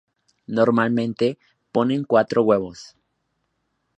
Normalmente ponen cuatro huevos.